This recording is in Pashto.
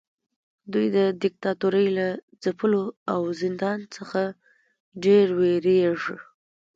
دوی د دیکتاتورۍ له ځپلو او زندان څخه ډیر ویریږي.